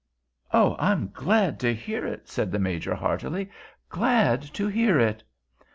"I'm glad to hear it," said the Major heartily. "Glad to hear it."